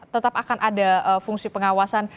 tetap akan ada fungsi pengawasan